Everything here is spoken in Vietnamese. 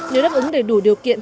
nếu đáp ứng đầy đủ điều kiện